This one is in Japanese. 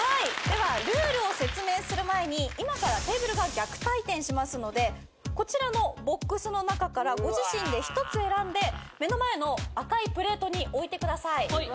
ではルールを説明する前に今からテーブルが逆回転しますのでこちらのボックスの中からご自身で１つ選んで目の前の赤いプレートに置いてください。